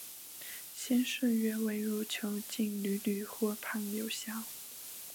先是越位入球竟屡屡获判有效。